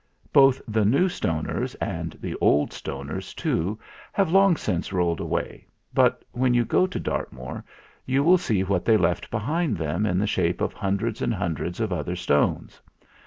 Both the New Stoners and the Old Stoners too have long since rolled away ; but when you go to Dartmoor you will see what they left behind them in the shape of hundreds and hundreds of other stones.